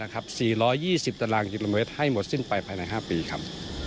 ๔๒๐ตารางกิโลเมตรให้หมดสิ้นไปภายใน๕ปีครับ